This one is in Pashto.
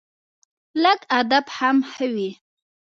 لږ ادب هم ښه وي